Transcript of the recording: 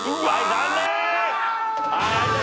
残念！